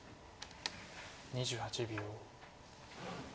２８秒。